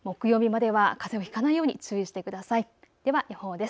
では予報です。